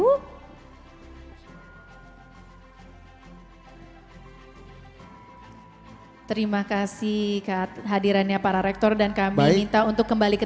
hai terima kasih hadirannya para rektor dan kami minta untuk kembali ke